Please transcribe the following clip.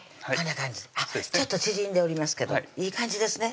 感じあっちょっと縮んでますけどいい感じですね